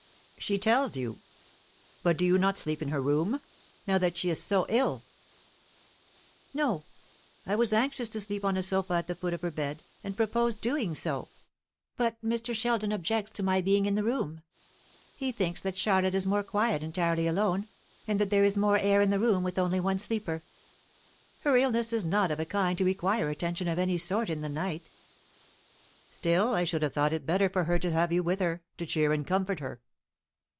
"She tells you. But do you not sleep in her room, now that she is so ill?" "No. I was anxious to sleep on a sofa at the foot of her bed, and proposed doing so, but Mr. Sheldon objects to my being in the room. He thinks that Charlotte is more quiet entirely alone, and that there is more air in the room with only one sleeper. Her illness is not of a kind to require attention of any sort in the night." "Still I should have thought it better for her to have you with her, to cheer and comfort her.